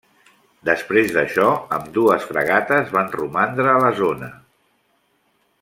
Després d'això, ambdues fragates van romandre a la zona.